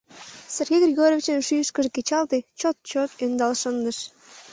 Сергей Григорьевичын шӱйышкыжӧ кечалте, чот-чот ӧндал шындыш.